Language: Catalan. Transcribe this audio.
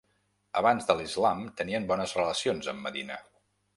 Abans de l'islam tenien bones relacions amb Medina.